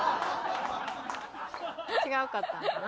違うかったんかな。